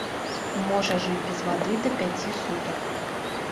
Можа жыць без вады да пяці сутак.